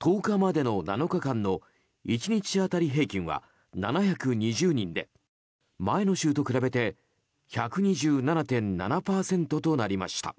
１０日までの７日間の１日当たり平均は７２０人で前の週と比べて１２７．７％となりました。